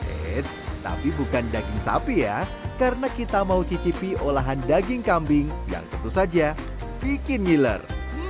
eits tapi bukan daging sapi ya karena kita mau cicipi olahan daging kambing yang tentu saja bikin ngiler